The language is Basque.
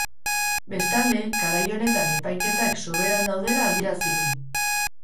Bestalde, garai honetan epaiketak soberan daudela adierazi du.